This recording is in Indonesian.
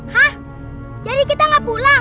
hah jadi kita nggak pulang